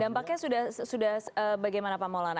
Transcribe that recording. dampaknya sudah bagaimana pak maulana